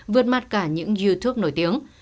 vượt mặt cả những youtube nổi tiếng